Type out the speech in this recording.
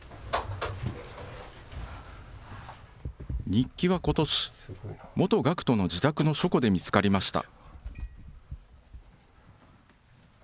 日記はことし、元学徒の自宅の書庫で見つかりました。